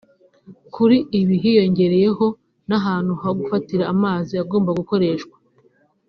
Kuri ibi hiyongeraho n’ahantu ho gufatira amazi agomba gukoreshwa